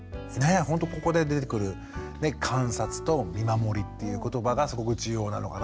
ほんとここで出てくる観察と見守りっていうことばがすごく重要なのかなっていう。